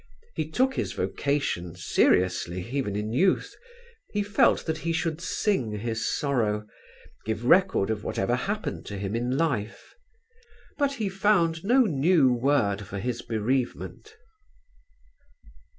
He took his vocation seriously even in youth: he felt that he should sing his sorrow, give record of whatever happened to him in life. But he found no new word for his bereavement.